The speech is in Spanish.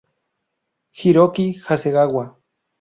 Hiroki Hasegawa